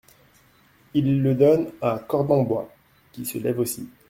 Il le donne à Cordenbois, qui se lève aussi.